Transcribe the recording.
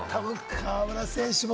河村選手は。